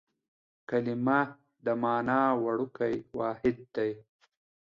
کلیمه د مانا وړوکی واحد دئ.